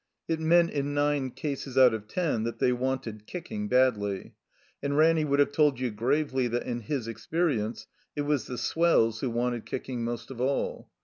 It meant in nine cases out of ten that they wanted kicking badly. And Ranny would have told you gravely that, in his experience, it was the "swells" who wanted kicking most of all.